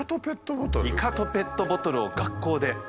イカとペットボトルを学校で。